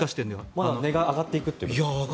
まだ値段が上がっていくということですか？